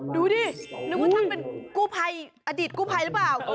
ดูดินึกว่าท่านเป็นกู้ภัยอดีตกู้ภัยหรือเปล่า